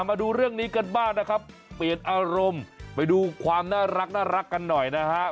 มาดูเรื่องนี้กันบ้างนะครับเปลี่ยนอารมณ์ไปดูความน่ารักกันหน่อยนะครับ